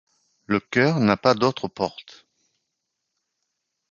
Le chœur n'a pas d'autre porte.